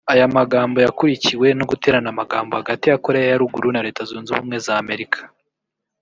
Aya magambo yakurikiwe no guterana amagambo hagati ya Koreya ya Ruguru na Leta zunze ubumwe z’ Amerika